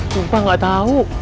sumpah nggak tahu